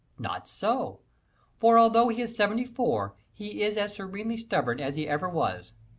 Not so, for although he is seventy four he is as serenely stubborn as he ever was.